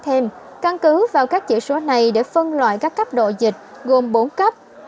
thêm căn cứ vào các chỉ số này để phân loại các cấp độ dịch gồm bốn cấp